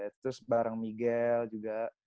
terus bareng miguel juga